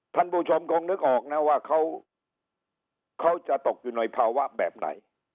ท่านผู้ชมคงนึกออกนะว่าเขาจะตกอยู่ในภาวะแบบไหน